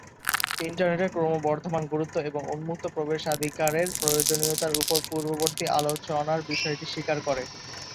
ইন্টারনেটের ক্রমবর্ধমান গুরুত্ব এবং উন্মুক্ত প্রবেশাধিকারের প্রয়োজনীয়তার উপর পূর্ববর্তী আলোচনার বিষয়টি স্বীকার করে।